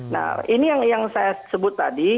nah ini yang saya sebut tadi